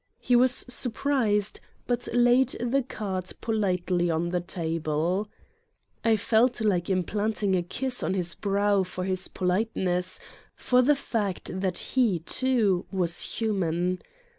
He was surprised, but laid the card politely on the table. I felt like im 21 Satan's Diary planting a kiss on his brow for this politeness, for the fact that he too was human.